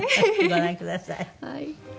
ご覧ください。